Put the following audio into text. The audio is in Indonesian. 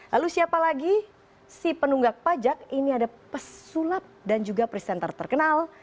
lalu siapa lagi si penunggak pajak ini ada pesulap dan juga presenter terkenal